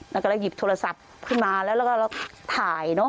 เราก็เลยหยิบโทรศัพท์ขึ้นมาแล้วก็ถ่าย